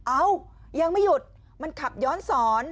เอ้ายังไม่หยุดมันขับย้อนสอน